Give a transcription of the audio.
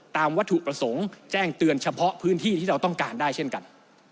วัตถุประสงค์แจ้งเตือนเฉพาะพื้นที่ที่เราต้องการได้เช่นกัน